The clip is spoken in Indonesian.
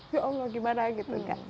ya allah gimana gitu kan